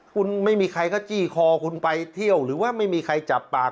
คุณไม่มีใครก็จี้คอคุณไปเที่ยวหรือว่าไม่มีใครจับปาก